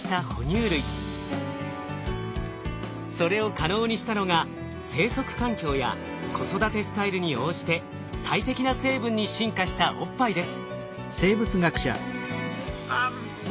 それを可能にしたのが生息環境や子育てスタイルに応じて最適な成分に進化したおっぱいです。